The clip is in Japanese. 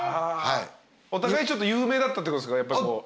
お互いちょっと有名だったってことですか？